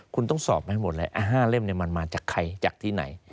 คุณต้องสอบให้หมดเลย๕เล่มมันมาจากใครจากที่ไหน